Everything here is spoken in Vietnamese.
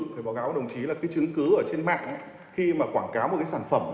phải báo cáo với đồng chí là cái chứng cứ ở trên mạng khi mà quảng cáo một cái sản phẩm